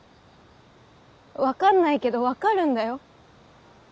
分かんないけど分かるんだよ。